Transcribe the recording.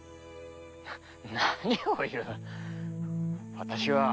はっ何を言う私は。